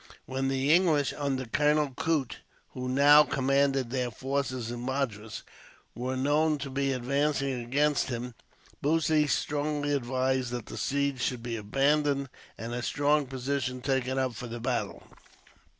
When the English, under Colonel Coote, who now commanded their forces in Madras, were known to be advancing against him, Bussy strongly advised that the siege should be abandoned, and a strong position taken up for the battle.